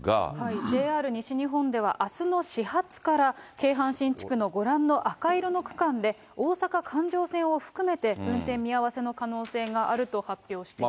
ＪＲ西日本ではあすの始発から、京阪神地区のご覧の赤色の区間で、大阪環状線を含めて、運転見合わせの可能性があると発表しています。